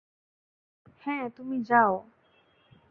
হ্যাঁ, তুমি যাও।